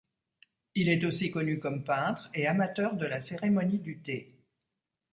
Il est aussi connu comme peintre et amateur de la cérémonie du thé.